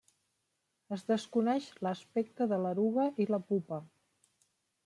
Es desconeix l'aspecte de l'eruga i la pupa.